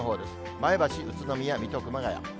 前橋、宇都宮、水戸、熊谷。